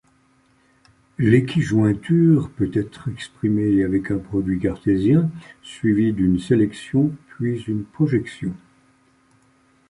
L'équijointure peut être exprimée avec un produit cartésien, suivi d'une sélection, puis une projection.